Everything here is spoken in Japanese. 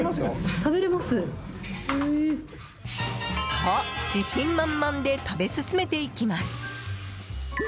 と、自信満々で食べ進めていきます。